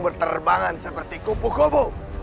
berterbangan seperti kupu kubu